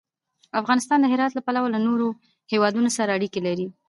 افغانستان د هرات له پلوه له نورو هېوادونو سره اړیکې لري.